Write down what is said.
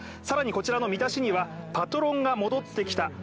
更にこちらの見出しには「パトロンが戻ってきた」